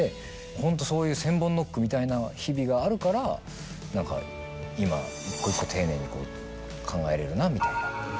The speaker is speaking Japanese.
ホントそういう千本ノックみたいな日々があるから何か今一個一個丁寧に考えれるなみたいな。